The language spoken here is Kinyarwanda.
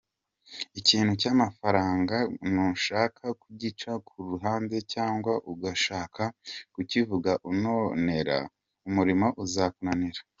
Ikintu cy’amafaranga nushaka kugica ku ruhande cyangwa ugashaka kukivuga unonera, umurimo uzakunanira.